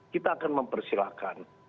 kita akan mempersilahkan